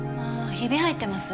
ひび入ってます？